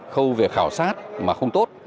khâu về khảo sát mà không tốt